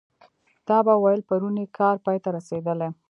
تا به ویل پرون یې کار پای ته رسېدلی.